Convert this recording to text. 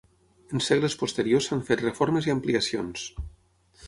En segles posteriors s'han fet reformes i ampliacions.